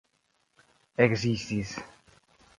ekzistis